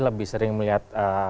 lebih sering melihat